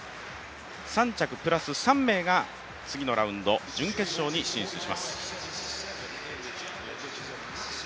３着プラス３名が次のラウンド準決勝に進出します。